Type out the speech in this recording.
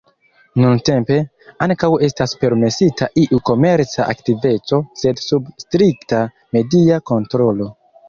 Nuntempe, ankaŭ estas permesita iu komerca aktiveco sed sub strikta media kontrolo.